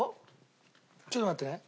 ちょっと待ってね。